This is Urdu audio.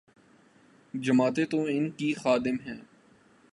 جماعتیں تو ان کی خادم ہیں۔